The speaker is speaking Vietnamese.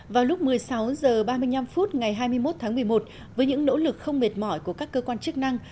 vào lúc một mươi sáu h ba mươi năm phút ngày hai mươi một tháng một mươi một với những nỗ lực không mệt mỏi của các cơ quan chức năng